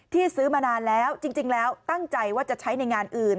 ซื้อมานานแล้วจริงแล้วตั้งใจว่าจะใช้ในงานอื่น